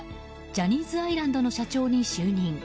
ジャニーズアイランドの社長に就任。